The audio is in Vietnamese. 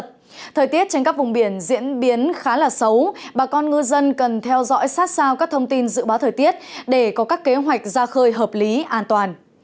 thời tiết trên các vùng biển diễn biến khá là xấu bà con ngư dân cần theo dõi sát sao các thông tin dự báo thời tiết để có các kế hoạch ra khơi hợp lý an toàn